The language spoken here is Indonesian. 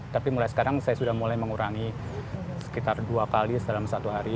tapi mulai sekarang saya sudah mulai mengurangi sekitar dua kali dalam satu hari